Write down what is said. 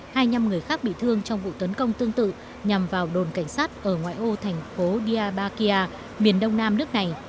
hai nhăm người khác bị thương trong vụ tấn công tương tự nhằm vào đồn cảnh sát ở ngoại ô thành phố diabakia miền đông nam nước này